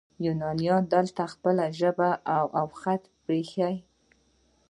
یونانیانو دلته خپله ژبه او خط پریښود